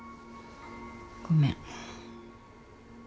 ごめん。